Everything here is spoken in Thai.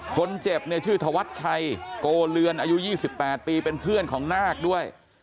คนเจ็บเนี่ยชื่อธวัชชัยโกเลือนอายุ๒๘ปีเป็นเพื่อนของนาคด้วย